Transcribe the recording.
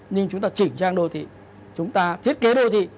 nhưng chúng ta chỉnh trang đô thị chúng ta thiết kế đô thị